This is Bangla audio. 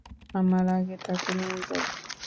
আমার আগে তাকে নিয়ে যাবে?